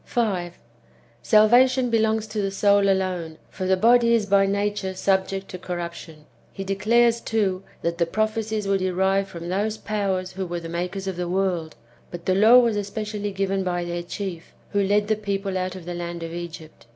5. Salvation belongs to the soul alone, for the body is by nature subject to corruption. He declares, too, that the prophecies were derived from those powers who were the makers of the world, but the law was specially given by their chief, who led the people out of the land of Egypt.